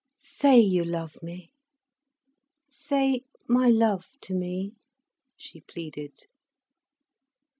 "Say you love me, say 'my love' to me," she pleaded.